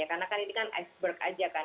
karena kan ini iceberg saja kan